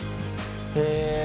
へえ。